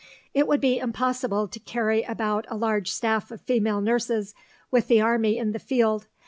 It would be impossible to carry about a large staff of female nurses with the army in the field.